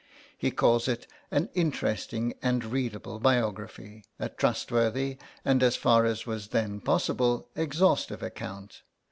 He calls it an "interesting and readable biography," "a trustworthy and, as far as was then possible, exhaustive account...